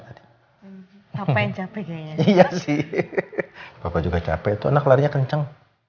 tadi capek iya sih bapak juga capek tuh anak larinya kenceng